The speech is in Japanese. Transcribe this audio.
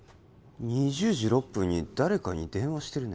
２０時６分に誰かに電話してるね